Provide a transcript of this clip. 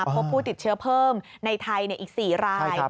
พบผู้ติดเชื้อเพิ่มในไทยอีก๔ราย